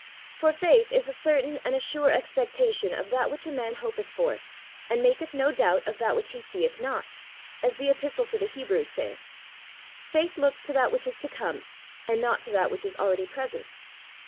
For faith is a certain and a sure expectation of that which a man hopeth for, and maketh no doubt of that which he seeth not, as the Epistle to the Hebrews saith: Faith looks to that which is to come, and not to that which is already present.